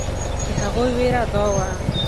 د هغوی وېره دا وه.